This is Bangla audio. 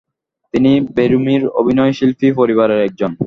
তিনি ব্যারিমোর অভিনয়শিল্পী পরিবারের একজন।